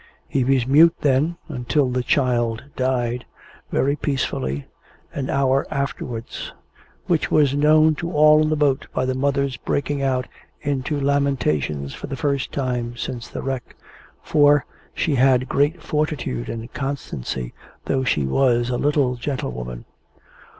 He was mute then, until the child died, very peacefully, an hour afterwards: which was known to all in the boat by the mother's breaking out into lamentations for the first time since the wreck for, she had great fortitude and constancy, though she was a little gentle woman.